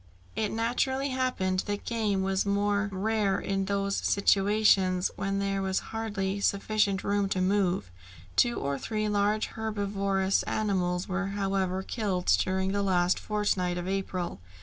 It naturally happened that game was more rare in those situations where there was hardly sufficient room to move; two or three large herbivorous animals were however killed during the last fortnight of April.